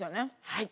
はい。